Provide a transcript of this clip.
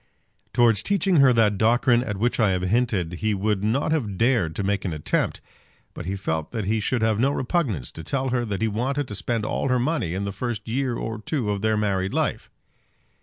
Towards teaching her that doctrine at which I have hinted, he would not have dared to make an attempt; but he felt that he should have no repugnance to telling her that he wanted to spend all her money in the first year or two of their married life!